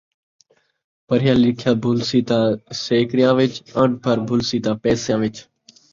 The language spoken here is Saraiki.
پڑھیا لکھیا بھلسی تاں سیکڑیاں وچ، اݨ پڑھ بھلسی تاں پیسیاں وچ